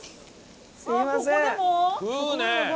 すみません。